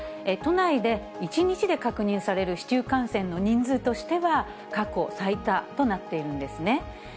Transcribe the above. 都内で１日で確認される市中感染の人数としては、過去最多となっているんですね。